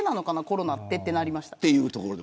コロナってとなりました。